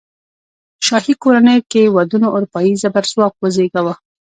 شاهي کورنۍ کې ودونو اروپايي زبرځواک وزېږاوه.